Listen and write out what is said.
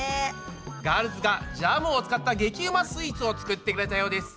ガールズがジャムを使った激うまスイーツを作ってくれたようです。